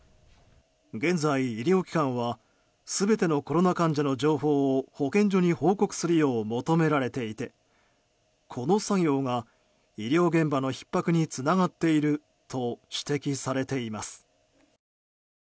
現在、医療機関は全てのコロナ患者の情報を保健所に報告するよう求められていてこの作業が、医療現場のひっ迫につながっていると指摘されています。